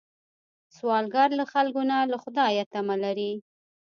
سوالګر له خلکو نه، له خدایه تمه لري